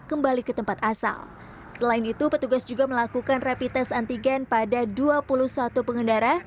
kembali ke tempat asal selain itu petugas juga melakukan rapid test antigen pada dua puluh satu pengendara